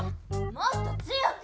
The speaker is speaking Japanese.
・もっと強く！